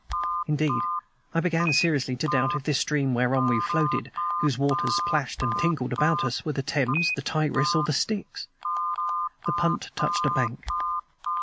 Indeed, I began seriously to doubt if this stream whereon we floated, whose waters plashed and tinkled about us, were the Thames, the Tigris, or the Styx. The punt touched a bank.